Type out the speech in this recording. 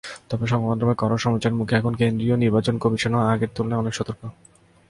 তবে সংবাদমাধ্যমের কড়া সমালোচনার মুখে এখন কেন্দ্রীয় নির্বাচন কমিশনও আগের তুলনায় অনেক সতর্ক।